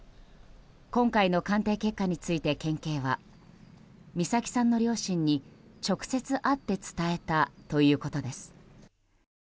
今回の鑑定結果について県警は美咲さんの両親に直接会って伝えたということです。